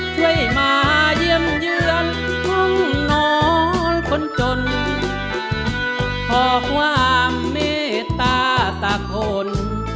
ช่วยมาเยี่ยมเยือนห้องนอนคนจนขอความเมตตาตาคน